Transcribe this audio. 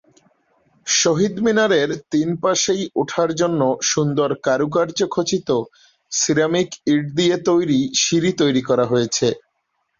শহীদ মিনারের তিন পাশেই উঠার জন্য সুন্দর কারুকার্য খচিত সিরামিক ইট দিয়ে তৈরি সিঁড়ি তৈরি করা হয়েছে।